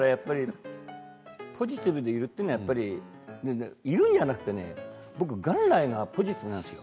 ポジティブでいるということは、いるのではなくて僕は元来ポジティブなんですよ。